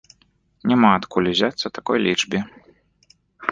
Няма адкуль узяцца такой лічбе.